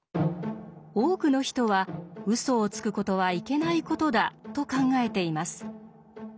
多くの人は「うそをつく事はいけない事だ」と考えています。